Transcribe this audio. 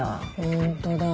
ホントだ。